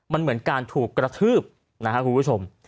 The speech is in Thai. มันเหมือนการถูกกระทืบนะครับคุณผู้ชม